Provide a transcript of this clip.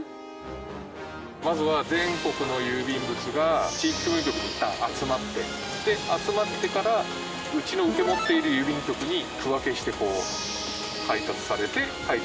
まずは全国の郵便物が地域区分局にいったん集まってで集まってからうちの受け持っている郵便局に区分けしてこう配達されて配達される。